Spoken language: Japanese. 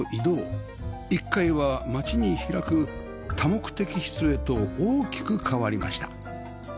１階は街に開く多目的室へと大きく変わりました